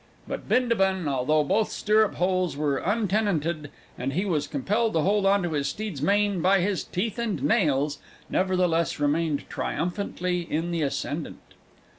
But Bindabun, although both stirrupholes were untenanted, and he was compelled to hold on to his steed's mane by his teeth and nails, nevertheless remained triumphantly in the ascendant.